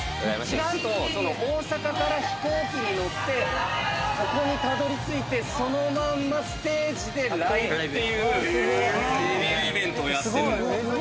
何と大阪から飛行機に乗ってここにたどりついてそのまんまステージでライブっていうデビューイベントをやってる。